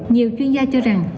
nhiều chuyên gia cho rằng